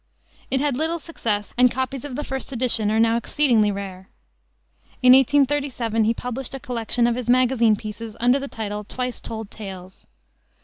It had little success, and copies of the first edition are now exceedingly rare. In 1837 he published a collection of his magazine pieces under the title, Twice Told Tales.